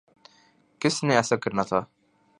کس نے ایسا کرنا تھا؟